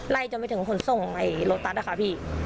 ไล่จนไปถึงขนส้มของไอ้โรตัสอะค่ะพี่